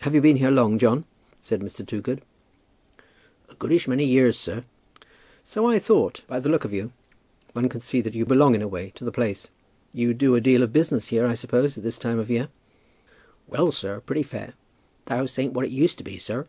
"Have you been here long, John?" said Mr. Toogood. "A goodish many years, sir." "So I thought, by the look of you. One can see that you belong in a way to the place. You do a good deal of business here, I suppose, at this time of the year?" "Well, sir, pretty fair. The house ain't what it used to be, sir."